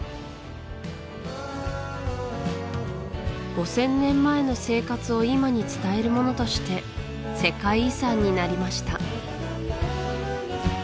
５０００年前の生活を今に伝えるものとして世界遺産になりました